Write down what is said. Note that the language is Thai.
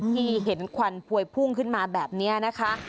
ที่เห็นควันพวยพุ่งขึ้นมาแบบนี้นะคะ